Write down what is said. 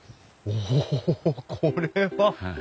おこれは！